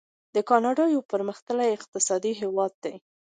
کاناډا یو پرمختللی اقتصادي هیواد دی.